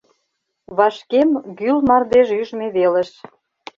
Вашкем гӱл мардеж ӱжмӧ велыш.